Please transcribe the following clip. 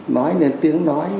nói lên tiếng nói